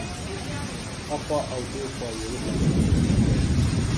هخوا او دېخوا یې وکتل څوک نه ښکارېدل.